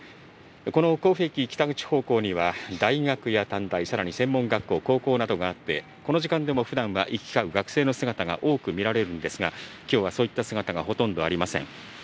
この甲府駅北口方向には大学や短大さらに専門学校、高校などがあって、この時間でもふだんは行き交う学生の姿が多く見られるんですがきょうはそういった姿はほとんどありません。